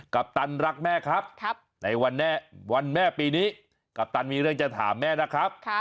ปตันรักแม่ครับในวันแม่ปีนี้กัปตันมีเรื่องจะถามแม่นะครับ